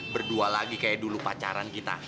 berdua lagi kayak dulu pacaran kita